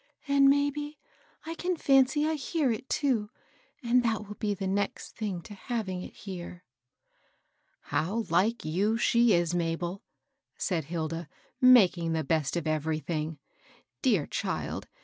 And maybe I can iancy I hear it, too ; and that will be the next thing to having it here." ^^ How ^ like you she is, iM^bel," said Hilda, " making the best of everything. Dear child